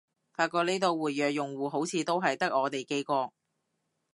發覺呢度活躍用戶好似都係得我哋幾個